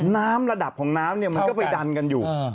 น้ำระดับของน้ำมันก็ไปดันกันอยู่